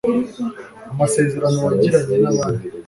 amasezerano wagiranye n'abandi